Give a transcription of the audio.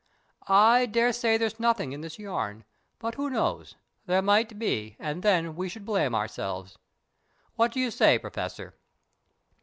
I daresay there's nothing in this yarn, but who knows? There might be, and then we should blame ourselves. What do you say, Professor?"